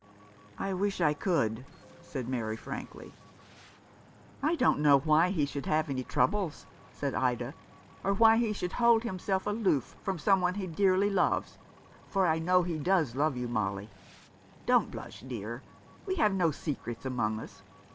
" I wish I could," said Mary, frankly. " I don't see why he should have any troubles," said Ida, "or why he should hold himself aloof from some one he dearly loves — for I know he does love you, Molly. Don't blush, dear. We have no secrets among us.